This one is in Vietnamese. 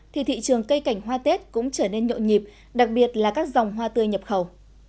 thì thị trường cây cảnh hoa tết cũng trở nên nhộn nhịp đặc biệt là các dòng hoa tươi nhập khẩu